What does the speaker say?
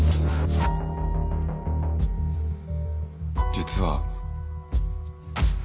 実は。